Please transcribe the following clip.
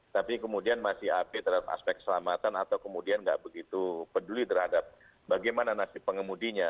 tapi kemudian masih ap terhadap aspek keselamatan atau kemudian nggak begitu peduli terhadap bagaimana nasib pengemudinya